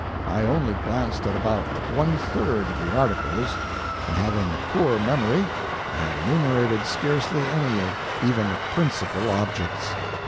I only glanced at about one third of the articles; and, having a poor memory, I have enumerated scarcely any of even the principal objects.